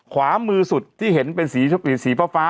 ขวามือสุดเป็นสีผ้า